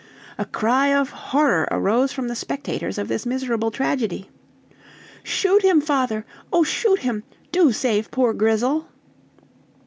A cry of horror arose from the spectators of this miserable tragedy. "Shoot him, father! oh, shoot him do save poor Grizzle!"